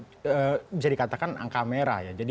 itu bisa dikatakan angka merah ya